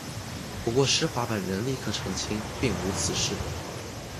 不过施华本人立刻澄清并无此事。